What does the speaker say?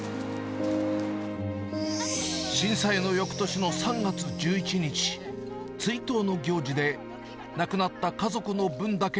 震災のよくとしの３月１１日、追悼の行事で、亡くなった家族の分だけ、